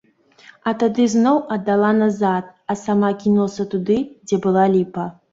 А тады зноў аддала назад, а сама кінулася туды, дзе была ліпа.